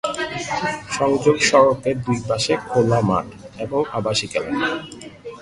সংযোগ সড়কের দুইপাশে খোলা মাঠ এবং আবাসিক এলাকা।